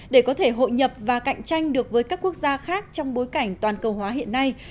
để có thể hội nhập và cạnh tranh được với các quốc gia khác trong bối cảnh toàn cầu hóa hiện nay